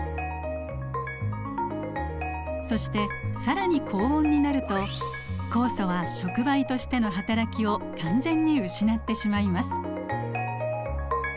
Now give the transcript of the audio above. そして更に高温になると酵素は触媒としてのはたらきを完全に失ってしまいます。